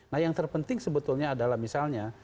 nah yang terpenting sebetulnya adalah misalnya